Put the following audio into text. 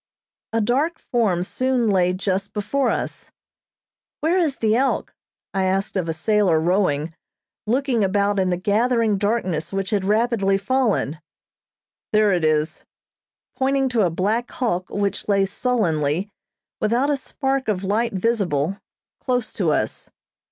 A dark form soon lay just before us. "Where is the 'Elk,'" I asked of a sailor rowing, looking about in the gathering darkness which had rapidly fallen. [Illustration: CLAIM NUMBER FOUR, ANVIL CREEK, NOME.] "There it is," pointing to a black hulk which lay sullenly, without a spark of light visible, close to us.